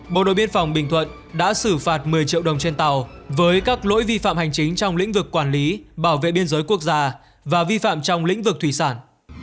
bộ đội biên phòng bình thuận đã xử phạt một mươi triệu đồng trên tàu với các lỗi vi phạm hành chính trong lĩnh vực quản lý bảo vệ biên giới quốc gia và vi phạm trong lĩnh vực thủy sản